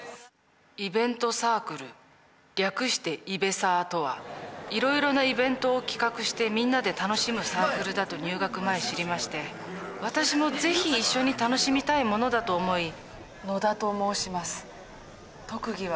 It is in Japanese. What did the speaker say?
イベントサークル略して「イベサー」とはいろいろなイベントを企画してみんなで楽しむサークルだと入学前知りまして私もぜひ一緒に楽しみたいものだと思い。